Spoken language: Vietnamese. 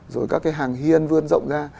rồi các cái hàng hiên vươn rộng ra